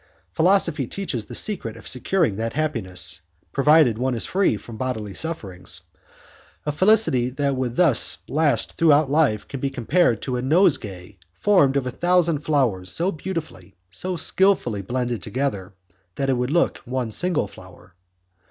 Philosophy teaches the secret of securing that happiness, provided one is free from bodily sufferings. A felicity which would thus last throughout life could be compared to a nosegay formed of a thousand flowers so beautifully, so skillfully blended together, that it would look one single flower.